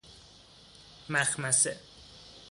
مخمصه